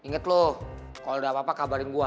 ingat loh kalau udah apa apa kabarin gue